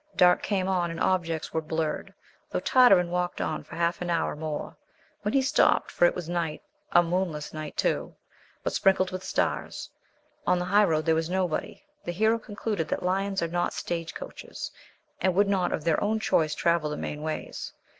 Dark came on and objects were blurred, though Tartarin walked on for half an hour more, when he stopped, for it was night. A moonless night, too, but sprinkled with stars. On the highroad there was nobody. The hero concluded that lions are not stage coaches, and would not of their own choice travel the main ways.